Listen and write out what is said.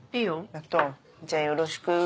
やったじゃあよろしく。